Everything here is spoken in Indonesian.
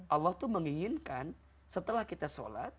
allah tuh menginginkan setelah kita sholat